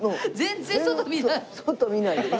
外見ないで何。